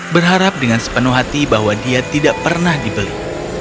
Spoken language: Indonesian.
berharap dengan sepenuh hati bahwa dia tidak pernah dibeli